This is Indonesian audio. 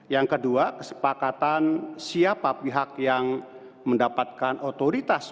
yang kedua kesepakatan siapa pihak yang mendapatkan otoritas